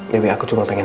dewi aku cuma pengen